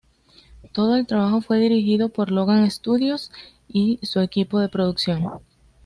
Todo el trabajo fue dirigido por Logan Studios y su equipo de producción.